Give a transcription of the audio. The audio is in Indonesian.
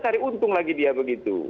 cari untung lagi dia begitu